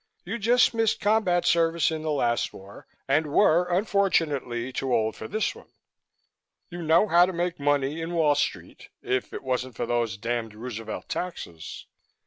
You just missed combat service in the last war and were unfortunately too old for this one. You know how to make money in Wall Street, if it wasn't for those damned Roosevelt taxes.